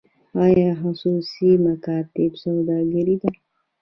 آیا خصوصي مکاتب سوداګري ده؟